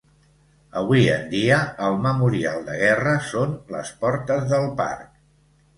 Avui en dia el memorial de guerra són les portes del parc.